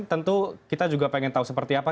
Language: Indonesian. tentu kita juga pengen tahu seperti apa